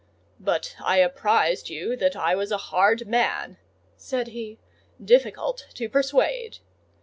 "But I apprised you that I was a hard man," said he, "difficult to persuade."